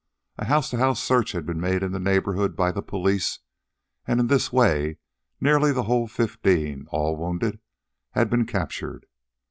A house to house search had been made in the neighborhood by the police, and in this way nearly the whole fifteen, all wounded, had been captured.